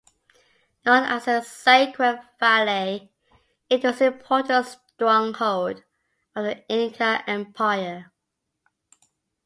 Known as the Sacred Valley, it was an important stronghold of the Inca Empire.